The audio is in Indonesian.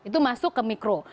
itu masuk ke mikro